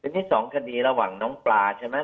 แล้วที่สองคดีระหว่างน้องปลาใช่มั้ย